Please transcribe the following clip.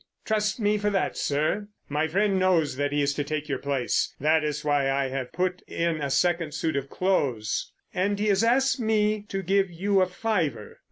"Trust me for that, sir." "My friend knows that he is to take your place—that is why I've put in a second suit of clothes—and he has asked me to give you a fiver."